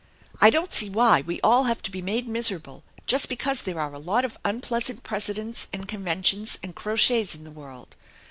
I don't see why we all have to be made miserable just because there are a lot of unpleasant precedents and conventions and crochets in the world.